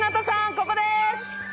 ここです！